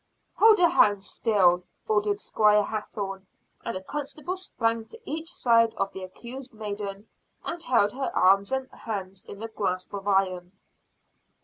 "Hold her hands still!" ordered Squire Hathorne, and a constable sprang to each side of the accused maiden and held her arms and hands in a grasp of iron.